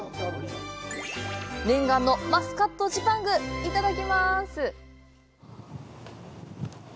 念願のマスカットジパングいただきます！